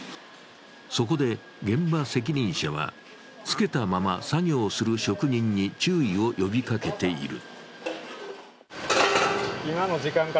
そこで、現場責任者は着けたまま作業する職人に注意を呼びかけている。